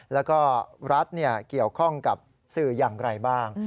แล้วก็รัฐเกี่ยวข้องกับสื่ออย่างไรบ้าง